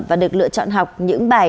và được lựa chọn học những bài